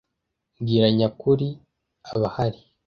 mbwira nyakuri abahari .